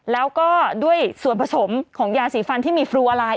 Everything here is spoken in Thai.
แล้วก็ด้วยส่วนผสมของยาสีฟันที่มีฟรูอะไร